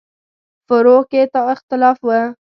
فروع کې اختلاف و.